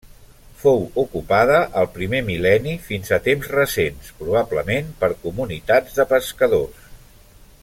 Fou ocupada al primer mil·lenni fins a temps recents, probablement per comunitats de pescadors.